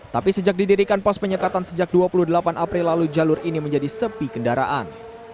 tapi sejak didirikan pos penyekatan sejak dua puluh delapan april lalu jalur ini menjadi sepi kendaraan